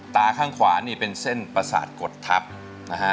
ตาข้างขวานี่เป็นเส้นประสาทกดทับนะฮะ